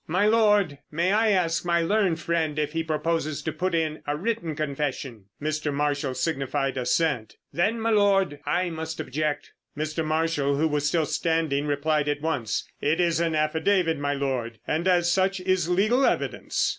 "My Lord, may I ask my learned friend if he proposes to put in a written confession?" Mr. Marshall signified assent. "Then, m' Lord, I must object." Mr. Marshall, who was still standing, replied at once: "It is an affidavit, my Lord, and as such is legal evidence."